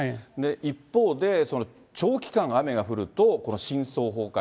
一方で、長期間雨が降ると、この深層崩壊。